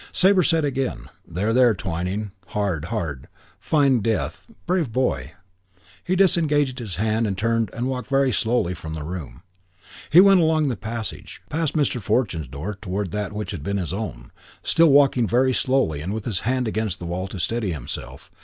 Sabre said again, "There, there, Twyning. Hard. Hard. Fine death.... Brave boy...." He disengaged his hand and turned and walked very slowly from the room. He went along the passage, past Mr. Fortune's door towards that which had been his own, still walking very slowly and with his hand against the wall to steady himself.